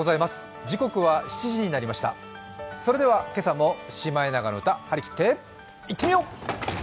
それでは今朝も「シマエナガの歌」張り切って、いってみよう！